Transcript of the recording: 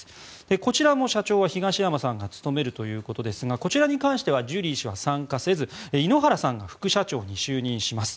こちらも社長は東山さんが務めるということですがこちらに関してはジュリー氏は参加せず井ノ原さんが副社長に就任します。